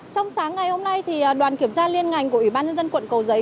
trong sáng ngày hôm nay đoàn kiểm tra liên ngành của ủy ban nhân dân quận cầu giấy